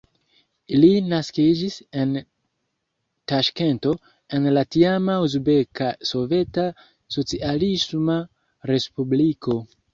Li naskiĝis en Taŝkento, en la tiama Uzbeka Soveta Socialisma Respubliko.